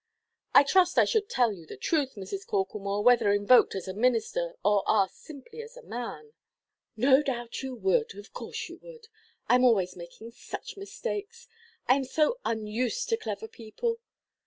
"I trust I should tell you the truth, Mrs. Corklemore, whether invoked as a minister, or asked simply as a man." "No doubt you would—of course you would. I am always making such mistakes. I am so unused to clever people.